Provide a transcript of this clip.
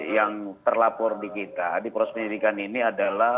yang terlapor di kita di proses penyidikan ini adalah